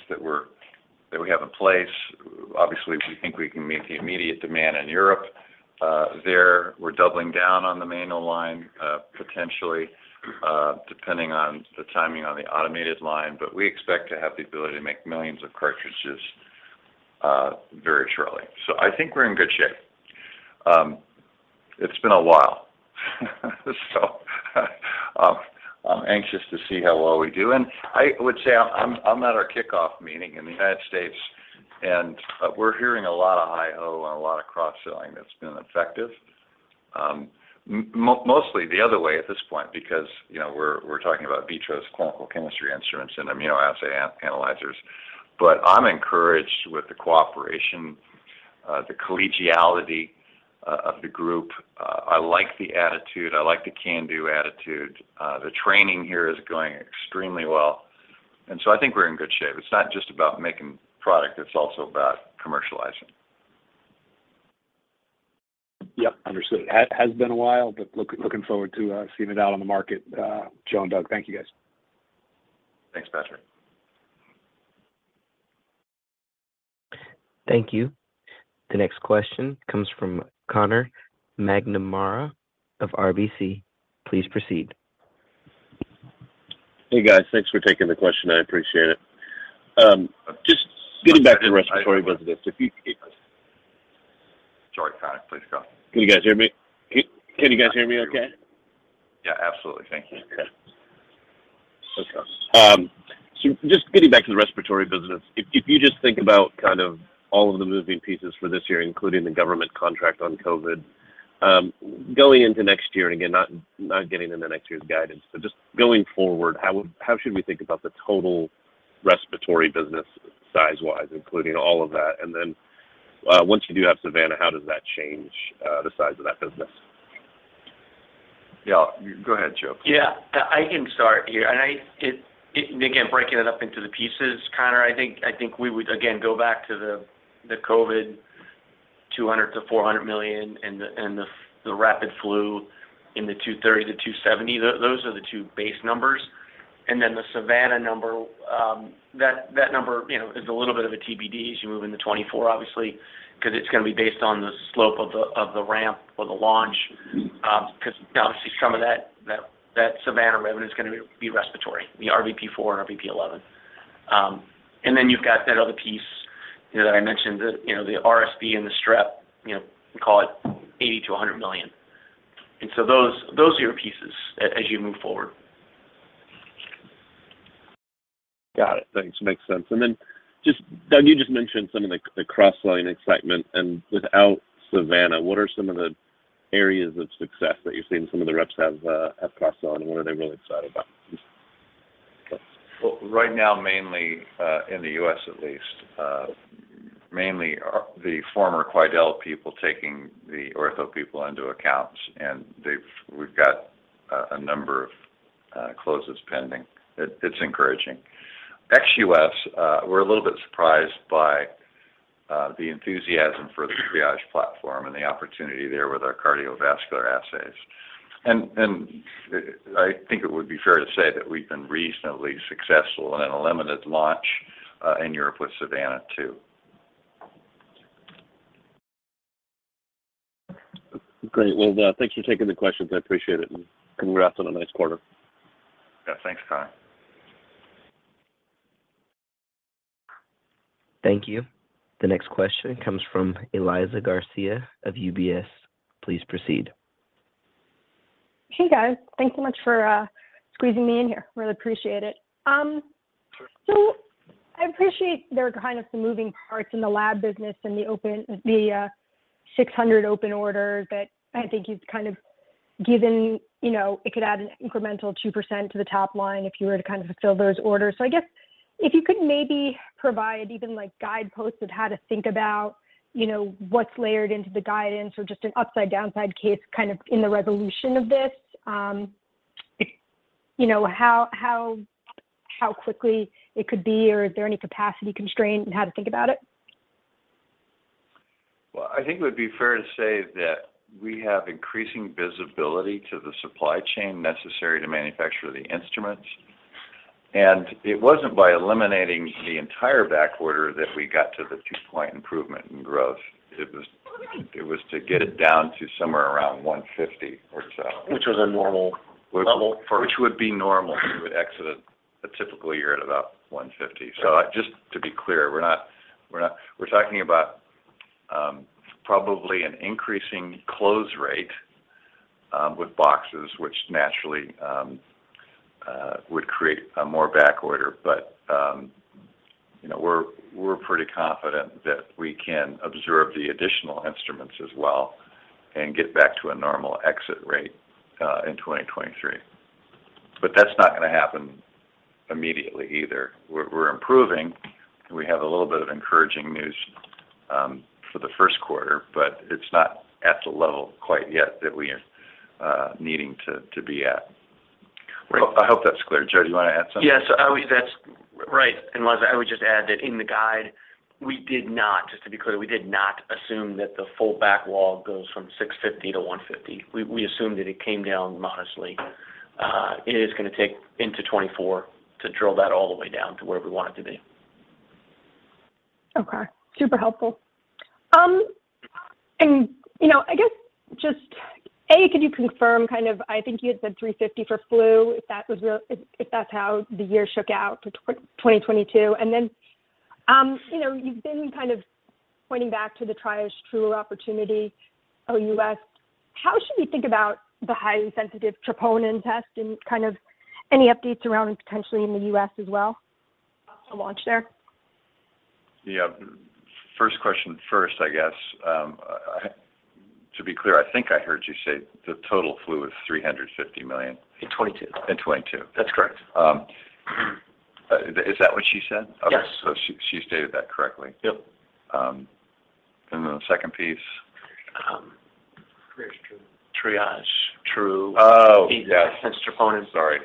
that we have in place. Obviously, we think we can meet the immediate demand in Europe. There, we're doubling down on the manual line, potentially, depending on the timing on the automated line. We expect to have the ability to make millions of cartridges very shortly. I think we're in good shape. It's been a while, so I'm anxious to see how well we do. I would say I'm at our kickoff meeting in the United States, and we're hearing a lot of hi ho and a lot of cross-selling that's been effective. Mostly the other way at this point because, you know, we're talking about VITROS's clinical chemistry instruments and immunoassay analyzers. I'm encouraged with the cooperation, the collegiality of the group. I like the attitude. I like the can-do attitude. The training here is going extremely well. I think we're in good shape. It's not just about making product, it's also about commercializing. Yep. Understood. Has been a while, but looking forward to seeing it out on the market. Joe and Doug, thank you, guys. Thank you. The next question comes from Conor McNamara of RBC. Please proceed. Hey, guys. Thanks for taking the question, I appreciate it. Just getting back to the respiratory business. Sorry, Conor. Please go. Can you guys hear me? Can you guys hear me okay? Yeah, absolutely. Thank you. Okay. Just getting back to the respiratory business. If you just think about kind of all of the moving pieces for this year, including the government contract on COVID-19, going into next year, and again, not getting into next year's guidance, but just going forward, how should we think about the total respiratory business size-wise, including all of that? Once you do have Savanna, how does that change, the size of that business? Yeah. Go ahead, Joe. Yeah. I can start here. Again, breaking it up into the pieces, Conor, I think we would, again, go back to the COVID $200 million-$400 million and the rapid flu in the $230 million-$270 million. Those are the two base numbers. Then the Savanna number, that number, you know, is a little bit of a TBD as you move into 2024, obviously, 'cause it's gonna be based on the slope of the ramp or the launch, 'cause obviously some of that Savanna revenue is gonna be respiratory, the RVP4 and RVP11. Then you've got that other piece, you know, that I mentioned the, you know, the RSV and the strep, you know, call it $80 million-$100 million. Those are your pieces as you move forward. Got it. Thanks. Makes sense. Doug, you just mentioned some of the cross line excitement. Without Savanna, what are some of the areas of success that you're seeing some of the reps have crossed on? What are they really excited about? Right now, mainly, in the U.S. at least, mainly are the former Quidel people taking the Ortho people into accounts, and we've got a number of closes pending. It's encouraging. Ex-U.S., we're a little bit surprised by the enthusiasm for the Triage platform and the opportunity there with our cardiovascular assays. I think it would be fair to say that we've been reasonably successful in a limited launch in Europe with Savanna, too. Great. Well, thanks for taking the questions. I appreciate it, and congrats on a nice quarter. Yeah, thanks, Conor. Thank you. The next question comes from Eliza Garcia of UBS. Please proceed. Hey, guys. Thank so much for squeezing me in here. Really appreciate it. I appreciate there are kind of some moving parts in the lab business and the 600 open orders that I think you've kind of given, you know, it could add an incremental 2% to the top line if you were to kind of fulfill those orders. I guess if you could maybe provide even, like, guideposts of how to think about, you know, what's layered into the guidance or just an upside/downside case kind of in the resolution of this. You know, how quickly it could be or is there any capacity constraint in how to think about it? Well, I think it would be fair to say that we have increasing visibility to the supply chain necessary to manufacture the instruments. It wasn't by eliminating the entire backorder that we got to the two point improvement in growth. It was to get it down to somewhere around 150 or so. Which was a normal level. Which would be normal. We would exit a typical year at about 150. Just to be clear, We're talking about probably an increasing close rate with boxes, which naturally would create a more backorder. You know, we're pretty confident that we can absorb the additional instruments as well and get back to a normal exit rate in 2023. That's not gonna happen immediately either. We're improving, and we have a little bit of encouraging news for the first quarter, but it's not at the level quite yet that we are needing to be at. Right. I hope that's clear. Joe, do you wanna add something? Yes. That's Right. Eliza, I would just add that in the guide, we did not, just to be clear, we did not assume that the full backlog goes from $650 million-$150 million. We assumed that it came down modestly. It is gonna take into 2024 to drill that all the way down to where we want it to be. Okay. Super helpful. You know, I guess just, A, could you confirm kind of, I think you had said $350 million for flu, if that's how the year shook out for 2022? You know, you've been kind of pointing back to the TriageTrue opportunity, OUS. How should we think about the highly sensitive troponin test and kind of any updates around potentially in the U.S. as well? A launch there? Yeah. First question first, I guess. To be clear, I think I heard you say the total flu is $350 million. In 2022. In 2022. That's correct. Is that what she said? Yes. Okay. She stated that correctly. Yep. The second piece? TriageTrue. TriageTrue. Oh, yes. The sense troponin. Sorry.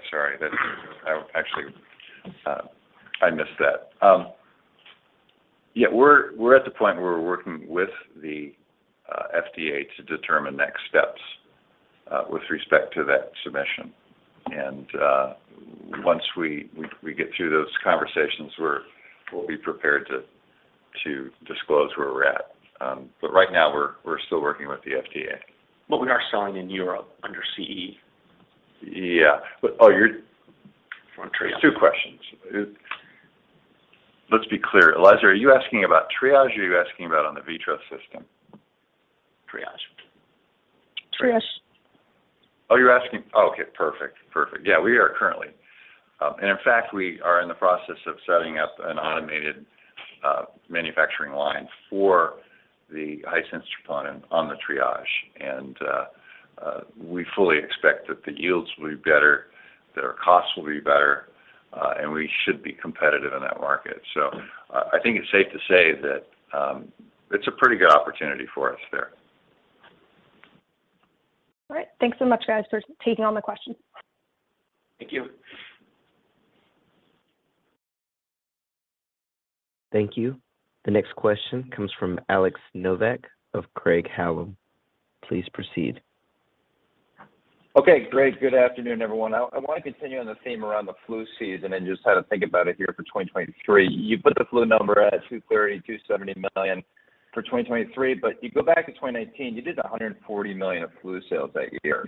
I actually, I missed that. Yeah. We're at the point where we're working with the FDA to determine next steps, with respect to that submission. Once we get through those conversations, we'll be prepared to disclose where we're at. Right now we're still working with the FDA. We are selling in Europe under CE. Yeah. Oh, From Triage. Two questions. Let's be clear. Eliza, are you asking about Triage, or are you asking about on the VITROS system? Triage. Triage. Oh, you're asking. Okay, perfect. Perfect. Yeah, we are currently. In fact, we are in the process of setting up an automated manufacturing line for the high sensitivity component on the Triage. We fully expect that the yields will be better, that our costs will be better, and we should be competitive in that market. I think it's safe to say that, it's a pretty good opportunity for us there. All right. Thanks so much, guys, for taking all my questions. Thank you. Thank you. The next question comes from Alex Nowak of Craig-Hallum. Please proceed. Okay, great. Good afternoon, everyone. I wanna continue on the theme around the flu season and just how to think about it here for 2023. You put the flu number at $230 million-$270 million for 2023, you go back to 2019, you did $140 million of flu sales that year.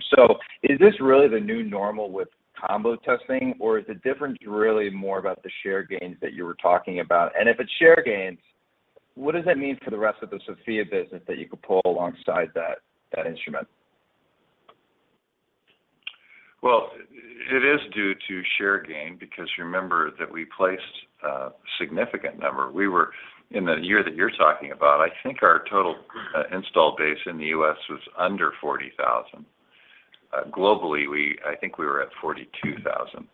Is this really the new normal with combo testing, or is the difference really more about the share gains that you were talking about? If it's share gains, what does that mean for the rest of the Sofia business that you could pull alongside that instrument? It is due to share gain because you remember that we placed a significant number. In the year that you're talking about, I think our total install base in the U.S. was under 40,000. Globally, I think we were at 42,000,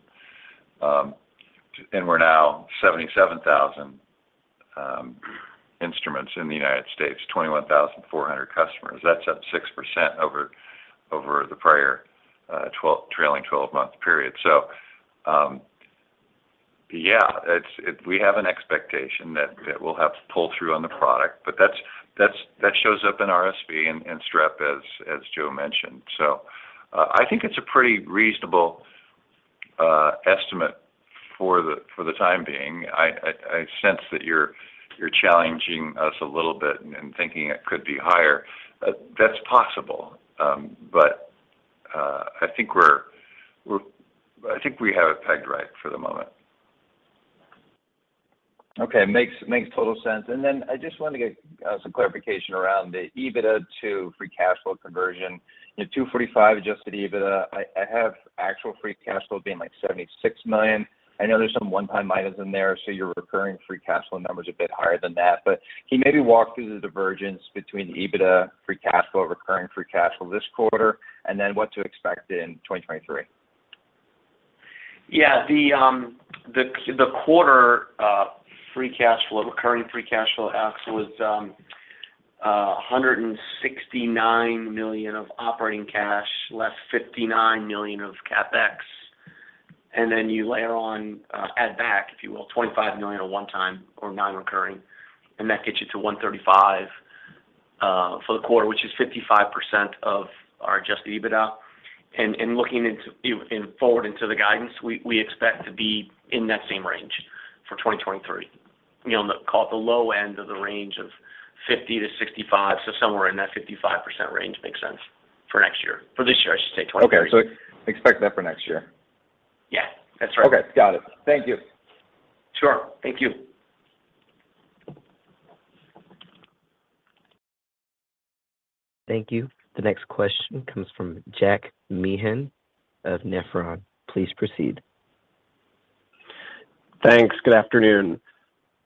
and we're now 77,000 instruments in the United States, 21,400 customers. That's up 6% over the prior trailing twelve-month period. Yeah, we have an expectation that we'll have to pull through on the product, but that shows up in RSV and strep as Joe mentioned. I think it's a pretty reasonable estimate for the time being. I sense that you're challenging us a little bit and thinking it could be higher. That's possible, but I think we have it pegged right for the moment. Okay. Makes total sense. I just wanted to get some clarification around the EBITDA to free cash flow conversion. You know, $245 million Adjusted EBITDA, I have actual free cash flow being like $76 million. I know there's some one-time minors in there, so your recurring free cash flow number is a bit higher than that. Can you maybe walk through the divergence between the EBITDA free cash flow, recurring free cash flow this quarter, and then what to expect in 2023? Yeah. The quarter, free cash flow, recurring free cash flow, Alex Nowak, was $169 million of operating cash, less $59 million of CapEx. Then you layer on, add back, if you will, $25 million of one-time or non-recurring, and that gets you to $135 million for the quarter, which is 55% of our Adjusted EBITDA. Looking into, you know, forward into the guidance, we expect to be in that same range for 2023. You know, call it the low end of the range of 50%-65%, somewhere in that 55% range makes sense for next year. For this year, I should say, 2023. Expect that for next year. Yeah. That's right. Okay. Got it. Thank you. Sure. Thank you. Thank you. The next question comes from Jack Meehan of Nephron. Please proceed. Thanks. Good afternoon.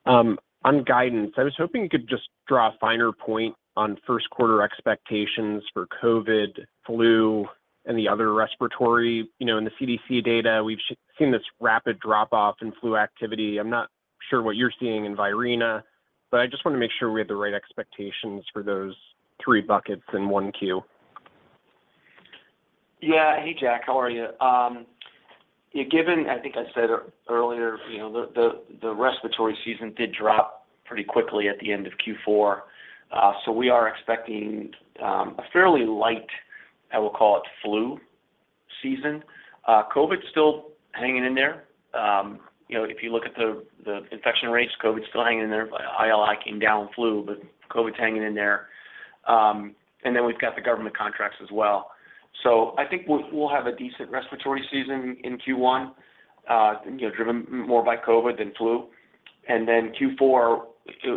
On guidance, I was hoping you could just draw a finer point on first quarter expectations for COVID, flu, and the other respiratory. You know, in the CDC data, we've seen this rapid drop-off in flu activity. I'm not sure what you're seeing in Virena, but I just wanna make sure we have the right expectations for those three buckets in one Q. Yeah. Hey, Jack. How are you? Yeah, given, I think I said earlier, you know, the, the respiratory season did drop pretty quickly at the end of Q4, so we are expecting a fairly light, I will call it, flu season. COVID's still hanging in there. You know, if you look at the infection rates, COVID's still hanging in there. ILI came down flu, but COVID's hanging in there. We've got the government contracts as well. I think we'll have a decent respiratory season in Q1, you know, driven more by COVID than flu. Q4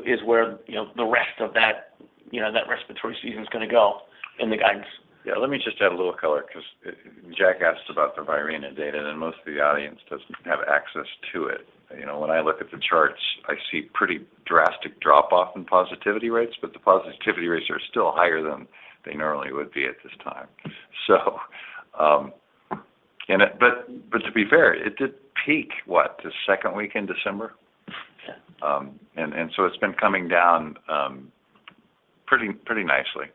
is where, you know, the rest of that, you know, that respiratory season's gonna go in the guidance. Yeah. Let me just add a little color 'cause Jack asked about the Virena data. Most of the audience doesn't have access to it. You know, when I look at the charts, I see pretty drastic drop-off in positivity rates, but the positivity rates are still higher than they normally would be at this time. To be fair, it did peak, what? The second week in December? Yeah. It's been coming down, pretty nicely.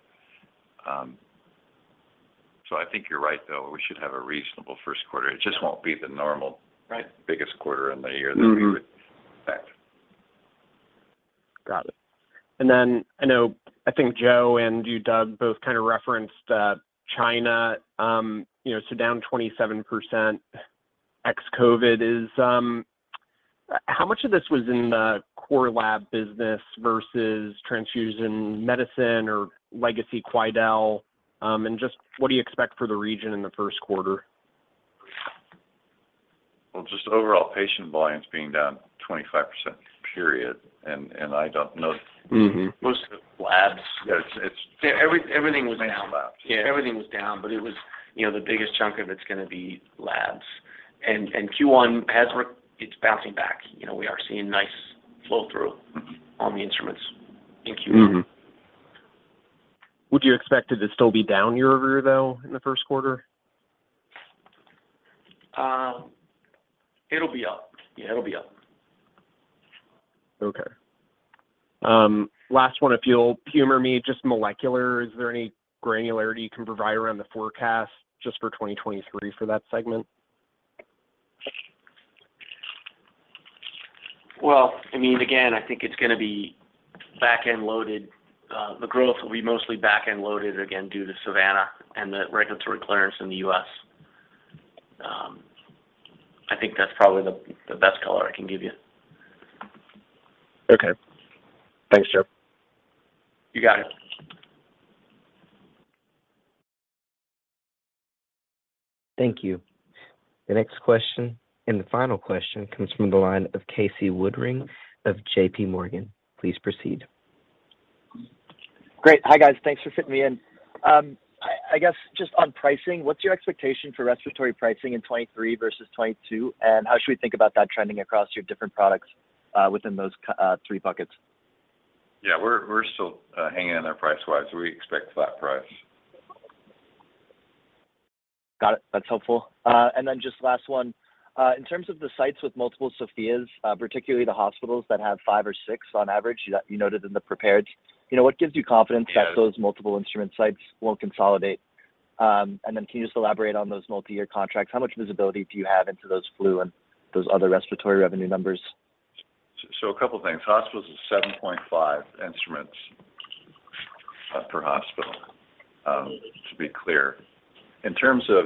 I think you're right, though. We should have a reasonable first quarter. It just won't be the normal... Right. Biggest quarter in the year that we would- Got it. I know, I think Joe and you, Doug, both kind of referenced China, you know, so down 27% ex-COVID. How much of this was in the core lab business versus transfusion medicine or legacy Quidel? Just what do you expect for the region in the first quarter? Well, just overall patient volumes being down 25%, period, and I don't know- Mm-hmm. Most of the labs. Yeah, it's. Everything was down. Main labs. Yeah, everything was down, but it was, you know, the biggest chunk of it's gonna be labs. Q1, it's bouncing back. You know, we are seeing nice flow through on the instruments in Q1. Mm-hmm. Would you expect it to still be down year-over-year, though, in the first quarter? It'll be up. Yeah, it'll be up. Last one if you'll humor me. Just molecular, is there any granularity you can provide around the forecast just for 2023 for that segment? Well, I mean, again, I think it's gonna be back-end loaded. The growth will be mostly back-end loaded again due to Savanna and the regulatory clearance in the U.S. I think that's probably the best color I can give you. Okay. Thanks, Joe. You got it. Thank you. The next question, and the final question, comes from the line of Casey Woodring of JPMorgan. Please proceed. Great. Hi, guys. Thanks for fitting me in. I guess just on pricing, what's your expectation for respiratory pricing in 2023 versus 2022, and how should we think about that trending across your different products, within those three buckets? Yeah. We're still hanging in there price-wise. We expect flat price. Got it. That's helpful. Just last one. In terms of the sites with multiple Sofias, particularly the hospitals that have five or six on average, you noted in the prepared, you know, what gives you confidence that those multiple instrument sites won't consolidate? Can you just elaborate on those multi-year contracts? How much visibility do you have into those flu and those other respiratory revenue numbers? A couple things. Hospitals is 7.5 instruments per hospital, to be clear. In terms of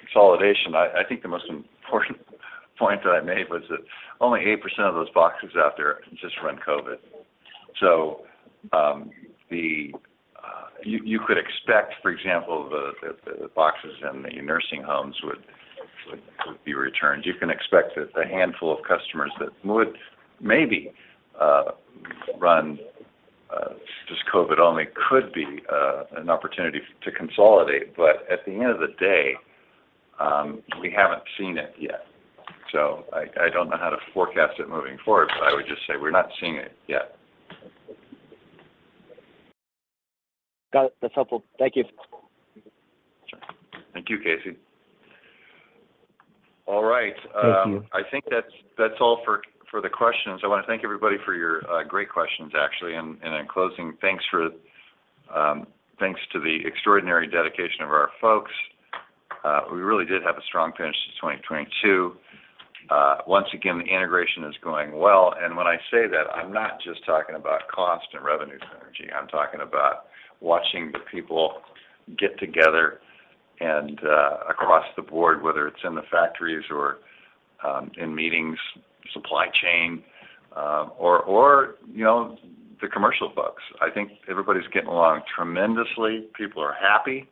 consolidation, I think the most important point that I made was that only 8% of those boxes out there just run COVID. You could expect, for example, the boxes in the nursing homes would be returned. You can expect that the handful of customers that would maybe run just COVID only could be an opportunity to consolidate. At the end of the day, we haven't seen it yet. I don't know how to forecast it moving forward, but I would just say we're not seeing it yet. Got it. That's helpful. Thank you. Sure. Thank you, Casey. All right. Thank you. I think that's all for the questions. I wanna thank everybody for your great questions, actually. In closing, thanks for thanks to the extraordinary dedication of our folks. We really did have a strong finish to 2022. Once again, the integration is going well, and when I say that, I'm not just talking about cost and revenue synergy. I'm talking about watching the people get together and across the board, whether it's in the factories or in meetings, supply chain, or, you know, the commercial folks. I think everybody's getting along tremendously. People are happy,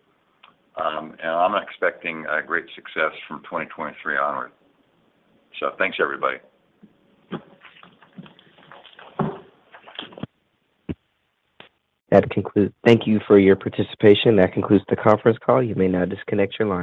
I'm expecting a great success from 2023 onward. Thanks, everybody. Thank you for your participation. That concludes the conference call. You may now disconnect your line.